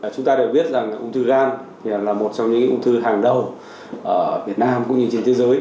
chúng ta đều biết rằng ung thư gan là một trong những ung thư hàng đầu ở việt nam cũng như trên thế giới